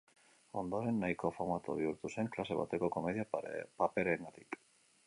Ondoren, nahiko famatua bihurtu zen klase bateko komedia paperengatik.